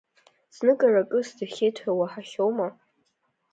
Зныкыр акы сӡахьеит ҳәа уаҳахьоума?!